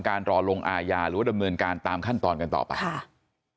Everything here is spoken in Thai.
รอลงอาญาหรือว่าดำเนินการตามขั้นตอนกันต่อไปค่ะ